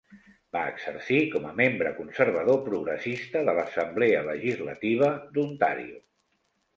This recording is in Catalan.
Va exercir com a membre conservador progressista de l'Assemblea Legislativa d'Ontario.